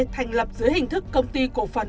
thành lập dưới hình thức công ty cổ phần